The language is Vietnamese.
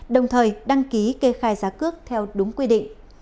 đồng thời đăng ký kê khai giá cước theo đúng quy định